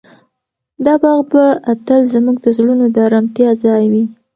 دا باغ به تل زموږ د زړونو د ارامتیا ځای وي.